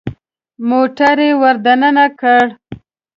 موټر يې ور دننه کړ.